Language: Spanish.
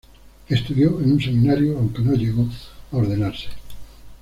Estudió en un seminario, aunque no llegó a ordenarse.